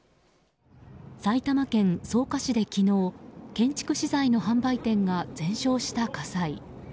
埼玉県草加市で昨日建築資材の販売店が全焼した火災。